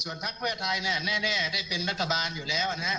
ส่วนพรรคเพื่อไทยเนี่ยแน่ได้เป็นนักบาลอยู่แล้วนะฮะ